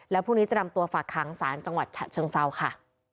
แล้วพรุ่งนี้จะนำตัวฝากค้างศาลจังหวัดฉะเชิงเซาค่ะ